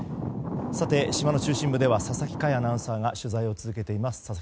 島の中心部では佐々木快アナウンサーが取材を続けています。